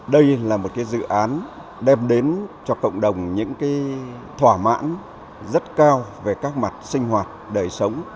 đây là một dự án đem đến cho cộng đồng những thỏa mãn rất cao về các mặt sinh hoạt đời sống